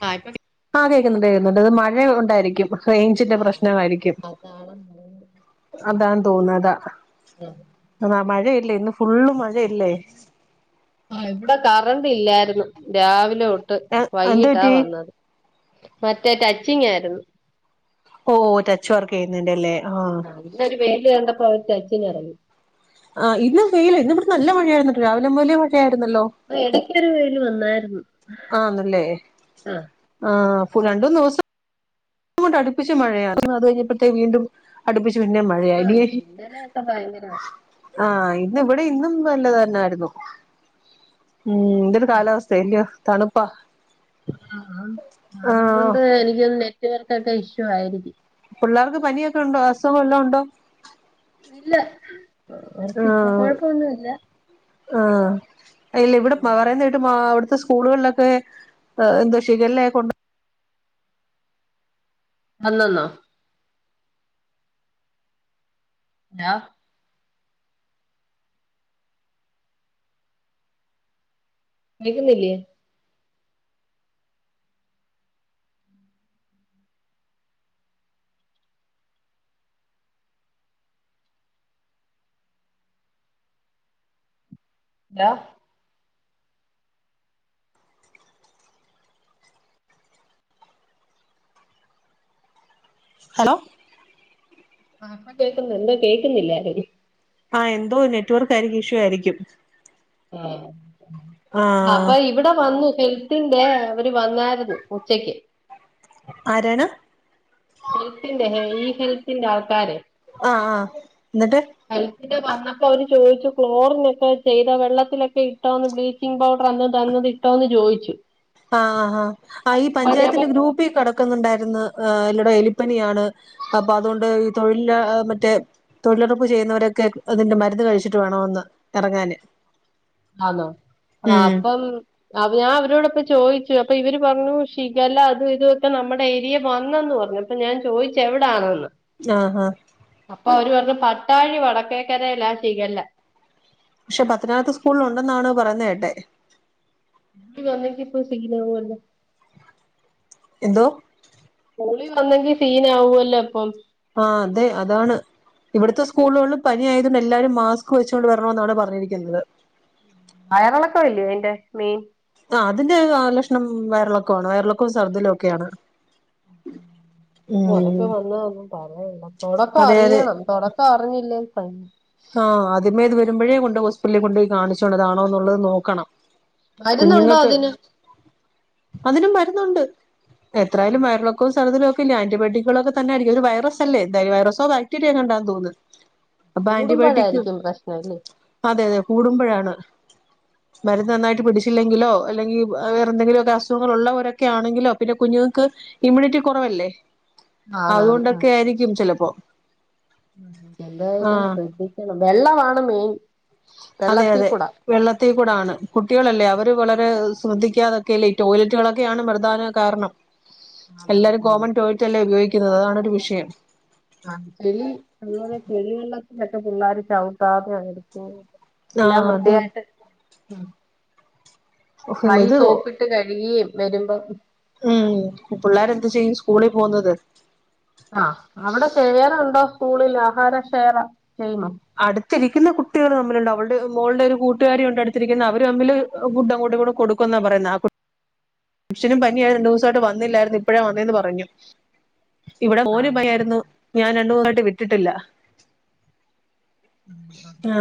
ചായക്കടി ആ കേക്കുന്നുണ്ട് കേക്കുന്നുണ്ട് അത് മഴ ഉണ്ടായിരിക്കും റെയ്ഞ്ചിന്റെ ആഹ് പ്രശ്നമായിരിക്കും അതാണ് അതാന്ന് തോന്ന് അതാ ആഹ് ആ മഴയില്ലേ ഇന്ന് ഫുള്ള് മഴയില്ലേ ഇവിടെ കറണ്ട് ഇല്ലായിരുന്നു രാവിലെ തൊട്ട് എന്ത് വൈകിട്ടാ പറ്റി വന്നത് മറ്റേ ടച്ചിങ്ങ് ആയിരുന്നു ഓ ടച്ച് വർക്ക് ചെയ്യുന്നേന്റ അല്ലെ പിന്നെ ഒരു വെയില് കണ്ടപ്പോ [unintelligible] ആഹ് ഇന്ന് വെയില് ഇന്ന് ഇവിടെ നല്ല മഴയായിരുന്നട്ടോ രാവിലെ മുതലേ മഴയായിരുന്നല്ലോ ഇടയ്ക്കൊരു വെയിൽ വന്നായിരുന്നു ആന്നല്ലേ ആഹ് ആഹ് രണ്ടൂന്ന് ദിവസം അങ്ങോട്ട് അടുപ്പിച്ച് മഴയാണ് അത് കഴിഞ്ഞപ്പോഴേക്ക് വീണ്ടും അടുപ്പിച്ച് പിന്നെ മഴ ആഹ് ഇന്നലെ ഒക്കെ ഭയങ്കരായിരുന്ന് ആഹ് ഇന്ന് ഇവിടെ ഇന്നും നല്ലത് തന്നെയായിരുന്നു ഉം എന്തൊരു കാലാവസ്ഥയ അല്ലയോ തണുപ്പാ ആഹ് അതുകൊണ്ട് എനിക്ക് തോന്ന് നെറ്റ്‌വർക്കിന്റെ ഇഷ്യൂ ആയിരിക്കും പിള്ളേർക്ക് പനിയൊക്കെ ഉണ്ടോ അസുഖം വല്ലോം ഉണ്ടോ ഇല്ല അവർക്ക് ഇപ്പ ആഹ് കുഴപ്പൊന്നു ഇല്ല ആഹ് ഇല്ല ഇവിടെ പറയുന്ന കേട്ട് അവിടുത്തെ സ്കൂളുകളിലൊക്കെ എന്തുവാ ഷിഖല്ലേ കൊണ്ട് [unintelligible] [unintelligible] വിളിക്കുന്നില്ലേ ഹലോ ഹലോ ആഹ് കേൾക്കുന്നുണ്ട് കേൾക്കുന്നില്ലായിരുന്നു ആഹ് എന്തോ നെറ്റ്വർക്ക് ആയിരിക്കും ഇഷ്യൂ ആയിരിക്കും അപ്പ ആഹ് ഇവിടെ വന്നു [unintelligible] അവര് വന്നായിരുന്നു ഉച്ചക്ക് ആരാണ് ഹെൽത്തിന്റെ ഈ ഹെൽത്തിന്റെ ആൾക്കാര് ആഹ് ആഹ് എന്നിട്ട് ഹെൽത്തിന്റെ വന്നപ്പോ അവര് ചോദിച്ചു ക്ലോറിൻ ഒക്കെ ചെയ്ത വെള്ളത്തിലൊക്കെ ഇട്ടോന്ന് ബ്ലീച്ച് ബ്ലീച്ചിംഗ് പൗഡർ അന്ന് തന്നത് ഇട്ടോ എന്ന് ചോദിച്ചു ആഹ് ആഹ് ആഹ് ഈ അപ്പൊ ഞാൻ പഞ്ചായത്തിന്റെ പറഞ്ഞു ഗ്രൂപ്പികെട ക്കുന്നുണ്ടായിരുന്നു എല്ലാടം എലിപ്പനിയാണ് അപ്പൊ അതുകൊണ്ട് ഈ തൊഴില മറ്റേ തൊഴിലുറപ്പ് ചെയ്യുന്നവരൊക്കെ അതിന്റെ മരുന്ന് കഴിച്ചിട്ട് വേണമെന്ന് ഇറങ്ങാന് ആന്നോ ആഹ് ഉം അപ്പം അവര് ഞാൻ അവരോടൊക്കെ ചോദിച്ചു അപ്പം ഇവര് പറഞ്ഞു ഷിഗെല്ല അതു ഇതുക്കെ നമ്മുടെ ഏരിയെ വന്നന്ന് പറഞ്ഞു അപ്പൊ ഞാൻ ചോദിച്ച് എവിടാണന്ന് ആഹ് ആഹ് അപ്പൊ അവര് പറഞ്ഞു പട്ടാഴി വടക്കേക്കരയിലാ ഷിഗെല്ല പക്ഷെ പത്തനാപുരത്ത് സ്കൂളിൽ ഉണ്ടെന്നാണ് പറയുന്നത് കേട്ടെ [unintelligible] ഇപ്പോ സീനാവുവല്ലേ എന്തോ സ്കൂളി വന്നെങ്കി സീനാവുവല്ലോ ഇപ്പം ആഹ് അതെ അതാണ് ഇവിടത്തെ സ്കൂളുകളിൽ പനി ആയത് കൊണ്ട് എല്ലാരും മാസ്ക് വെച്ചുകൊണ്ട് വരണമെന്നാണ് പറഞ്ഞിരിക്കുന്നത് വയറിളക്കം അല്ലയോ ഇതിന്റെ മെയിൻ ആഹ് അതിന്റെ ലക്ഷണം വയറിളക്കം ആണ് വയറിളക്കവും ചർദ്ദിൽഒക്കെ ആണ് അതൊക്കെ വന്ന ഒന്നും പറയണ്ട തുടക്കം അതെ അതെ അറിയണം തുട ഇപ്പറഞ്ഞില്ലേ പറഞ്ഞു ആ ആദ്യമേയിത് വരുമ്പഴേ കൊണ്ട് ഹോസ്പിറ്റലി കൊണ്ടോയി കാണിച്ചോണം ഇതാണോന്ന്ള്ളത് നോക്കണം മരുന്നുണ്ടോ കുഞ്ഞുങ്ങക്ക് അതിന് അതിനും മരുന്നുണ്ട് എത്രായാലും ഉണ്ട്. വയറിളൊക്കൊ ചർദിലൊക്കെല്ലേ? ആന്റിബയോട്ടിക്കുകളൊക്കെ തന്നായിരിക്കും ഇതൊരു വൈറസല്ലേ എന്തായാലും വൈറസോ, ബാക്ടീരിയെങ്ങാണ്ടാന്ന് തോന്നുന്ന് അപ്പൊ ആന്റിബയോട്ടിക് കൂടുമ്പോഴായിരിക്കും പ്രശ്നം അല്ലേ അതെയതെ കൂടുമ്പഴാണ് മരുന്ന് നന്നായിട്ട് പിടിച്ച് ട്ടില്ലെങ്കിലോ അല്ലെങ്കി വേറെന്തെങ്കിലുവൊക്കെ അസുഖങ്ങളുള്ളവരൊക്കെയാണെങ്കിലോ പിന്നെ കുഞ്ഞുങ്ങക്ക് ഇമ്മ്യൂണിറ്റി കൊറവല്ലേ? ആണാണ് ആ അതുകൊണ്ടൊക്കെയായിരിക്കും ചെലപ്പോ എന്തായാലും ശ്രദ്ധിക്കണം വെള്ളവാണ് മെയിൻ അതെ വെള്ളത്തിൽ അതെ കൂടെ വെള്ളത്തി കൂടാണ് കുട്ടികളല്ലേ അവര് വളരെ ശ്രദ്ധിക്കാതൊക്കെല്ലേ ഈ ടോയ്ലറ്റുകളൊക്കെയാണ് പ്രധാന കാരണം ആണാണ് എല്ലാരും ഉം കോമൺ ടോയ്ലറ്റല്ലേ ഉപയോഗിക്കുന്നത് അതാണൊരു വിഷയം ആ ചെിളി അതുപോലെ ചെളി വെള്ളത്തിലൊക്കെ പിള്ളേര് ചവിട്ടാതെ എടുക്ക എല്ലാം ആഹ് അത് വൃത്തിയായിട്ട് കൈ ഇത് സോപ്പിട്ട് കഴുകിയും വെരുമ്പം മ് പിള്ളേരെന്ത് ചെയ്യും സ്കൂളി പോകുന്നത് ആ അവിടെ ശെയറുണ്ടോ സ്കൂളില് ആഹാരം ശെയെറ ചെയ്യുമോ? അടുത്തിരിക്കുന്ന കുട്ടികൾ തമ്മിലുണ്ട് അവളുടെ മോളുടെ ഒരു കൂട്ടുകാരിയ്ണ്ട് അടുത്തിരിക്കുന്ന അവര് തമ്മില് ഫുഡ് അങ്ങോട്ടിങ്ങോട്ടും കൊടുക്കുന്നാ പറയുന്നേ ആ കുട്ടി മിഷനും പനിയായി രണ്ട് ദുവസായിട്ട് വന്നില്ലായിരുന്നു ഇപ്പഴേ വന്നേന്ന് പറഞ്ഞു ഇവടെ ആ മോന് പനിയായിരുന്നു ഞാൻ രണ്ടുസായിട്ട് വിട്ടിട്ടില്ല ഉം. ആ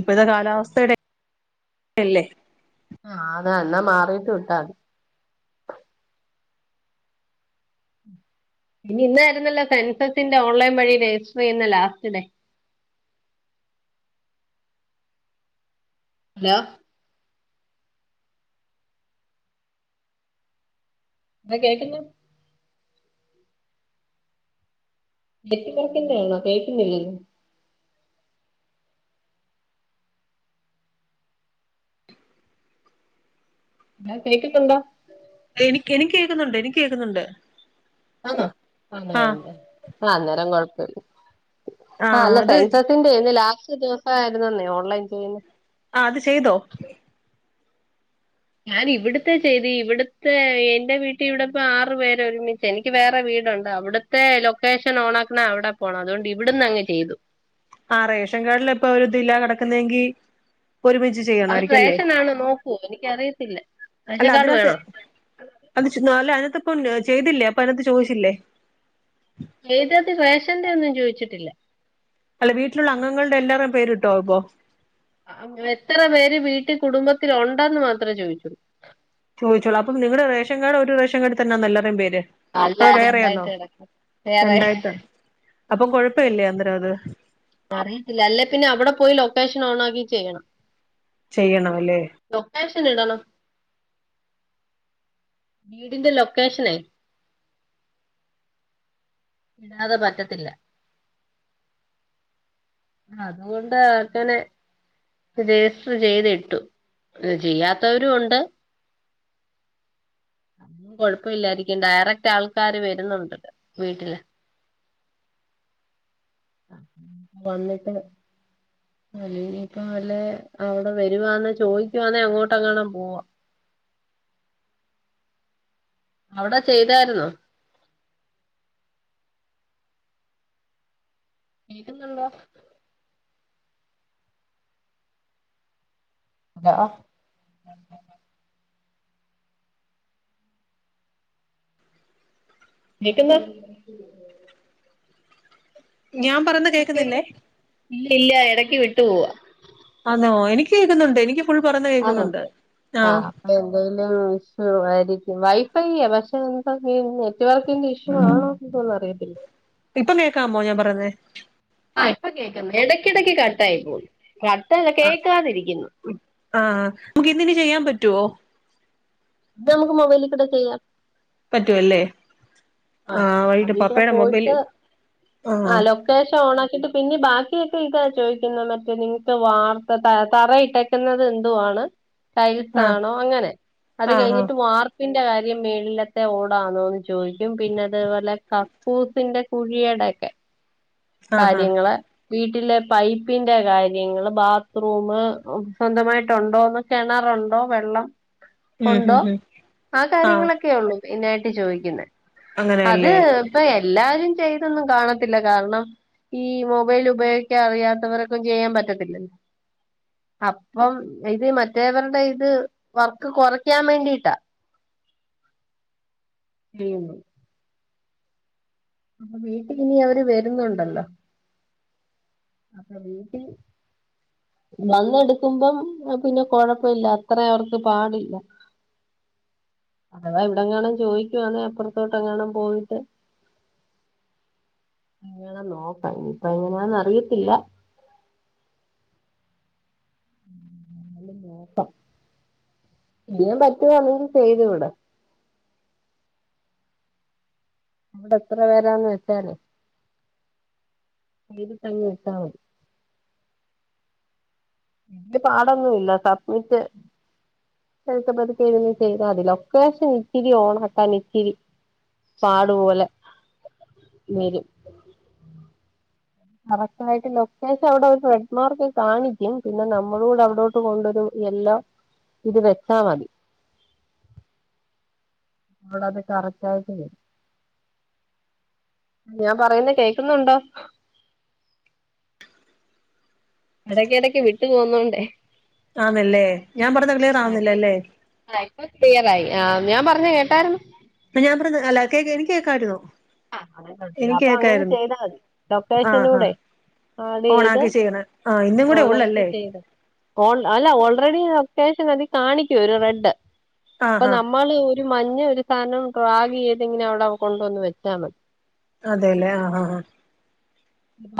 ഇപ്പത്തെ കാലാവസ്ഥയുടെ ഒക്കയല്ലേ? ആണോ എന്നാ മാറിയിട്ട് വിട്ടാതി പിന്നെ ഇന്നായിരുന്നല്ലോ സെൻസസിന്റെ ഓൺലൈൻ വഴി രജിസ്റ്റർ ചെയ്യുന്ന ലാസ്റ്റ് ഡേ ഹലോ എടാ കേൾക്കുന്നോ? നെറ്റ്‌വർക്കിന്റെയാണോ? കേൾക്കുന്നില്ലല്ലോ [unintelligible] എനിക്ക് എനിക്ക് കേക്കുന്നുണ്ട് എനിക്ക് കേക്കുന്നുണ്ട് ആഹാ അതെയതെ അന്നേരം കൊഴപ്പവില്ല ആ ആഹ് അല്ല അത് സെൻസസ് ന്റെ ലാസ്റ്റ് ദിവസായിരുന്നന്നേ ഓൺലൈൻ ചെയ്യുന്നെ ആ അത് ചെയ്തോ? ഞാനിവിടുത്തെ ചെയ്തു ഇവിടുത്തെ എന്റെ വീട്ടിയിവിടപ്പം ആറ് പേരൊരുമിച്ചാ എനിക്ക് വേറെ വീടുണ്ട് അവ്ടെ ത്തെ ലൊക്കേഷൻ ഓണാക്കണെ അവടെ പോണം അതോണ്ട് ഇവിടന്നങ്ങ് ചെയ്തു ആഹ് റേഷൻ കാർഡില് ഇപ്പൊരു ഇതില്ല കെടക്കുന്നെങ്കി ഇപ്പൊ ഒരുമിച്ച് അവർ ചെയ്യണമായിരിക്കും അല്ലേ റേഷനാണ് നോക്കോ എനിക്കറിയത്തില്ല അല്ല റേഷൻ കാട് അതിനകത്ത് വേണോ? അത് ചെ അല്ല അതിനാത്ത്പ്പം ചെയ്തില്ലേ? അപ്പതിനാത്ത് ചോയിച്ചില്ലേ? ചെയ്തത് റേഷന്റെയൊന്നും ചോയിച്ചിട്ടില്ല അല്ല വീട്ട്ലുള്ള അംഗങ്ങളുടെ എല്ലാരേം പേര്ട്ടോ അപ്പൊ? എത്ര പേര് വീട്ടി കുടുംബത്തിലൊണ്ടന്ന് മാത്രേ ചോയിച്ചു ചോയിച്ചൊള്ളു അപ്പ നിങ്ങള് റേഷൻ കാർഡ് ഒരു റേഷൻ കാഡിതന്നാന്നോ എല്ലാര്‌ടം പേര്? അല്ല അതോ വേറെയാന്നോ രണ്ടായിട്ട് കിടക്കും വേറെ രണ്ടായിട്ടാ അപ്പം കൊഴപ്പയില്ലെ അന്നേരവത്? അറിയത്തില്ല അല്ലേ പിന്നെ അവ്ടെ പോയി ലൊക്കേഷനോണാക്കി ചെയ്യണം ചെയ്യണമല്ലേ? ലൊക്കേഷൻ ഇടണം വീടിന്റെ ലൊക്കേഷനെ പിന്നത് പറ്റത്തില്ല അത്കൊണ്ട് ആക്കലെ രജിസ്റ്റർ ചെയ്ത്ട്ടു ഇത് ചെയ്യാത്തവരു ഒണ്ട് കൊഴപ്പൊല്ലായിരിക്കും ഡയറക്റ്റ് ആൾക്കാര് വര്ന്നോണ്ട് വീട്ടില് വന്നിട്ട് അല്ലിപ്പൊ വല്ലെ അവ്ട വരുവാന്നെ ചോയിക്കുവാന്നേ അങ്ങോട്ടെങ്ങണം പോവാ അവ്ടെ ചെയ്താര്ന്നോ ഇര്ന്നുള്ള [unintelligible] നിക്ക്ന്ന് ഞാം ഇല്ല ഇല്ല എടക്ക് വിട്ട് പോവാ ആന്നോ എനിക്ക് കേക്കുന്നോണ്ട് എനിക്ക് ഫുൾ പറെന്ന കേക്കുന്നോണ്ട് ആഹ് അപ്പ എന്തെലും ഇഷ്യൂ ആരിക്കും വൈഫൈയ്യാ പക്ഷെ എന്താന്നെ നെറ്റ് വർക്കിന്റെ ഇഷ്യൂ ആണോ എന്തുവാന്നറിയത്തില്ല ഇപ്പം കെക്കാമോ ഞാം പറെന്നേ ആഹ് ഇപ്പ കെക്കാം എടക്കിടക്ക് കട്ട ആയി പോന്ന് കട്ടല്ല കേക്കാതിരിക്ക്ന്ന് ആഹ് നമുക്ക് ഇന്ന് ഇനി ചെയ്യാം പറ്റുവോ ഇപ്പ നമുക്ക് മൊബെലിക്കുട ചെയ്യാം പറ്റുവല്ലേ ആഹ് വയ്യ്ട്ട് അതിൽ കൂടെ പാപ്പെടെ മൊബെല് ആഹ് ശേഷം ഓണാക്കിട്ട് പിന്നെ ബാക്കിയൊക്കെ ഇതാ ചോയിക്കുന്നത് മറ്റെ നിങ്ങത്ത വാർത്ത തറ തറയിട്ട ക്കുന്നത് എന്തുവാണ് ആ ടൈൽസാണോ അങ്ങനെ അത് ആ ആ കഴ്ഞ്ഞട്ട് വാർ പ്പിന്റ കാര്യം മേളിലത്തെ ഓടാണോന്ന് ചോയി ക്കും പിന്നതെപോലെ കക്കൂസിന്റ കുഴിയടെക്കെ ആ ആ കാര്യങ്ങള് വീട്ടിലെ പൈപ്പിന്റ കാര്യങ്ങള് ബാത്ത്റൂമ് സ്വന്തമായിട്ടൊണ്ടോന്ന് കെണറൊണ്ടോ വെള്ളം ഉം ഉം ഒണ്ടോ ഉം ആ കാര്യങ്ങളൊക്കെ ഒള്ളൂ മെയിനായിട്ട് ചോയിക്ക്ന്നെ ഹത് അങ്ങനെയല്ലേ ഇപ്പ എല്ലാരും ചെയ്തൊന്നും കാണത്തില്ല കാരണം ഈ മൊബെല് ഉപയോഗിക്കാറിയാത്തവറ് കൊക്കെ ചെയ്യാം പറ്റത്തില്ലല്ലോ അപ്പം ഇത് മറ്റേവര്ടെ ഇത് വർക്ക് കൊറയ്ക്കാം വേണ്ടിട്ടാ ഉം അപ്പ വീട്ടില് ഇനി അവര് വര്ന്നുണ്ടല്ലോ അപ്പൊ വീട്ടിൽ വന്നെടുക്കുമ്പം പിന്നെ കൊഴപ്പല്ല അത്ര അവർക്ക് പാടില്ല അതവാ ഇവിടെ ങ്ങാനും ചോദിക്കുവാണേ അപ്പുറത്തോട്ട് ങ്ങാനും പോയിട്ട് ങ്ങനെ നോക്കാംനിപ്പ അയിന് എങ്ങനാന്നന്ന് അറിയത്തില്ല നോട്ടം ഇനി ഞാൻ പറ്റുവാന്നെങ്കി ചെയ്തു വിടാം അവിടെ എത്ര പേരാന്ന് വെച്ചാല് നേരിട്ടങ്ങ് വെച്ച മതി അത് പാടൊന്നുംഇല്ല സപ്മിറ്റ് എലിസബത് ക്യൂവിങ് ചെയ്താൽ മതി ലൊക്കേഷൻ ഇച്ചിരി ഓണാ ക്കാൻ ഇച്ചിരി പാടുപോലെ നേര് കറക്ട് ആയിട്ട് ലൊക്കേഷൻ അവിടെ ഒര് ട്രെഡ് മാർക്ക് കാണിക്കും പിന്നെ നമ്മളൂടെ അവിടോ ട്ട് പോണ്ടൊരു യെല്ലോ ഇത് വെച്ചാ മതി നോടാതെ കറക്റ്റ് ആയിട്ടേ ഞാൻ പറയുന്ന കേൾക്കുന്നുണ്ടോ എടക്കെടയ്ക്ക് വിട്ടു പോവുന്നോണ്ടേ ആന്നല്ലേ ഞാൻ പറഞ്ഞ ക്ലീ ആഹ് ഇപ്പ ക്ലിയറായി ആഹ് ഞാൻ പറഞ്ഞ കേട്ടായിരുന്നു പ്പ ഞാൻ പറയുന്നത് അല്ല കേ എനിക്കേക്കായിരുന്നു അപ്പൊ അങ്ങനെ ചെയ്താൽ മതി ആ ആ ലൊക്കേഷനൂടെ ആട് ചെയ്ത് ഓണാക്കി ചെയ്യണേ ആ ഇന്നും കൂടെ ഓണാക്കി ഉള്ളല്ലേ ചെയ്ത് ഓൾ അല്ല ഓൾറെഡി ലൊക്കേഷൻ അതി കാണിക്കും ഒരു റെഡ് ആ അപ്പൊ ആ നമ്മള് ഒരു മഞ്ഞ ഒരു സാധനം ഡ്രാഗിയ്ത് ഇങ്ങനെ അവിടെ കൊണ്ട് വന്ന് വച്ചാ മതി അതെല്ലേ ആഹ് ആഹ് ആഹ്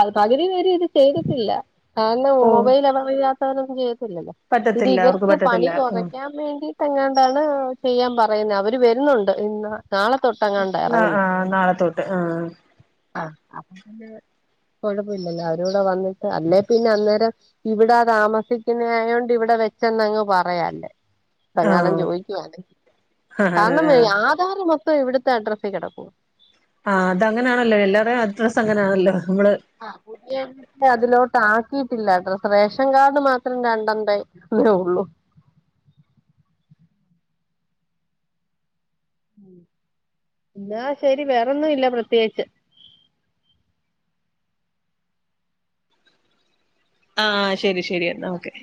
അത് പകുതി പേര് ഇത് ചെയ്തിട്ടില്ല കാരണം ഓ മൊബൈൽ അവറില്ലാത്തവനൊന്നും ചെയ്യുത്തില്ലല്ലോ പിന്നെ പറ്റത്തില്ല അവർക്ക് ഇവർക്ക് പണി പറ്റത്തില്ല ഉം കുറയ്ക്കാം വേണ്ടീട്ട് എങ്ങാണ്ടാണ് ചെയ്യാൻ പറയുന്നത് അവര് വരുന്നുണ്ട് ഇന്ന് നാളെത്തൊട്ടങ്ങാണ്ടേ ആ എറങ്ങുന്നെ ആ നാളെ തൊട്ട് ആ ആഹ് കുഴപ്പഇല്ലല്ലോ അവരൂടെ വന്നിട്ട് അല്ലേ പിന്നെ അന്നേരം ഇവിടാ താമസിക്കുന്നായോണ്ട് ഇവിടെ വെച്ചെന്നങ്ങ് പറയാല്ലേ ആ സങ്ങാണും ചോയിക്കു വാണെങ്കി ആ കാരണം ആ ഈ ആധാറ് മൊത്തം ഇവിടുത്തെ അഡ്രസ്സേ കിടക്കോ ആഹ് അത് അങ്ങനാണല്ലോ എല്ലാരേം അഡ്രസ്സ് അങ്ങനാണല്ലോ നമ്മള് ആഹ് പുട്യ അതിലോട്ട് ആക്കിയിട്ടില്ല അഡ്രസ്സ് റേഷൻ കാർഡ് മാത്രം രണ്ടെണ്ടേ ഒര് ഉള്ളൂ എന്നാ ശരി വേറൊന്നും ഇല്ല പ്രത്യേകിച്ച് ആഹ് ശരി ശരി എന്നാ ഓക്കെ